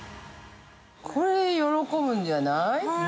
◆これ喜ぶんじゃない。